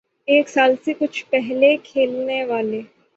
ایک سال سے کچھ پہلے کھلنے والے